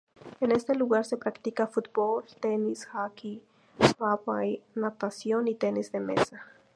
En este lugar se practica fútbol, tenis, hockey, rugby, natación y tenis de mesa.